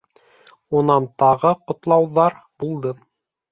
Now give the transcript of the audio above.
Унан тағы ҡотлауҙар булды.